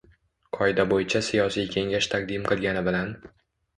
qoida bo‘yicha siyosiy kengash taqdim qilgani bilan